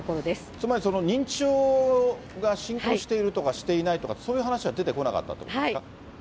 つまり認知症が進行しているとかしていないとか、そういう話は出てこなかったということですか。